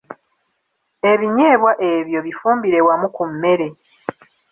Ebinyeebwa ebyo bifumbire wamu ku mmere.